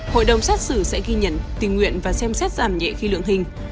hội đồng xét xử sẽ ghi nhận tình nguyện và xem xét giảm nhẹ khi lượng hình